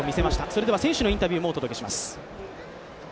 それでは選手のインタビューもお届けします。